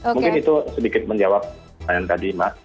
mungkin itu sedikit menjawab pertanyaan tadi mas